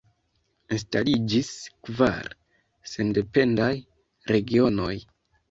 Instaliĝis kvar sendependaj regionoj.